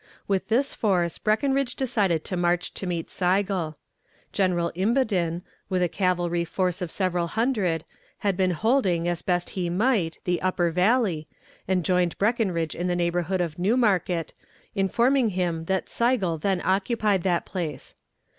With this force Breckinridge decided to march to meet Sigel. General Imboden, with a cavalry force of several hundred, had been holding, as best he might, the upper Valley, and joined Breckinridge in the neighborhood of New Market, informing him that Sigel then occupied that place.